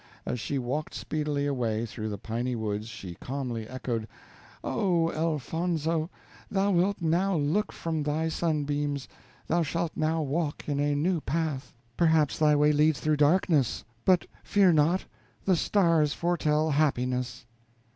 As she walked speedily away through the piny woods she calmly echoed: "O! Elfonzo, thou wilt now look from thy sunbeams. Thou shalt now walk in a new path perhaps thy way leads through darkness; but fear not, the stars foretell happiness."